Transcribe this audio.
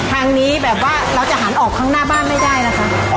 ทางนี้แบบว่าเราจะหันออกข้างหน้าบ้านไม่ได้นะคะ